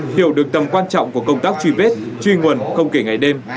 hiểu được tầm quan trọng của công tác truy vết truy nguồn không kể ngày đêm